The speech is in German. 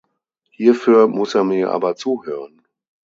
Hierfür muss er mir aber zuhören.